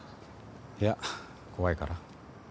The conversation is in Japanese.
いや怖いから。